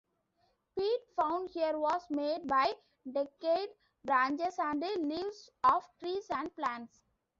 Peat found here was made by decayed branches and leaves of trees and plants.